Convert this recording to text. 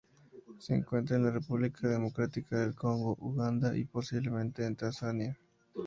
Se encuentra en la República Democrática del Congo, Uganda y, posiblemente en Tanzania.